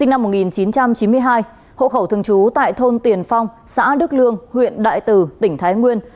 năm một nghìn chín trăm chín mươi hai hộ khẩu thường trú tại thôn tiền phong xã đức lương huyện đại từ tỉnh thái nguyên